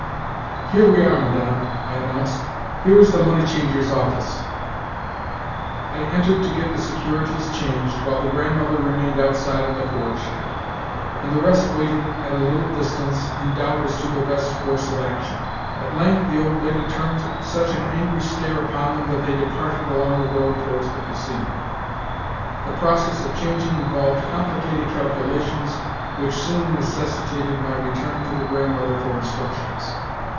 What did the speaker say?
"Here we are, Madame," I announced. "Here is the moneychanger's office." I entered to get the securities changed, while the Grandmother remained outside in the porch, and the rest waited at a little distance, in doubt as to their best course of action. At length the old lady turned such an angry stare upon them that they departed along the road towards the Casino. The process of changing involved complicated calculations which soon necessitated my return to the Grandmother for instructions.